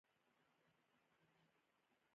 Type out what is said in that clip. د کلچو او شیریني پلورنځي شته